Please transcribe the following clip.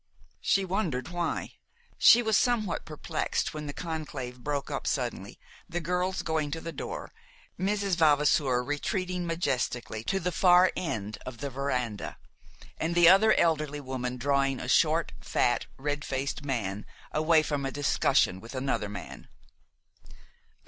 She wondered why. She was somewhat perplexed when the conclave broke up suddenly, the girls going to the door, Mrs. Vavasour retreating majestically to the far end of the veranda, and the other elderly woman drawing a short, fat, red faced man away from a discussion with another man.